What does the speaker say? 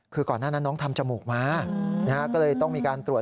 คือก่อนหน้านั้นน้องทำจมูกมาก็เลยต้องมีการตรวจ